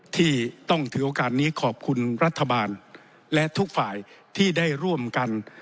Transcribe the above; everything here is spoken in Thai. ที่ต้องถือโอกาสนี้ขอบคุณรัฐบาลและทุกฝ่ายที่ได้ร่วมกัน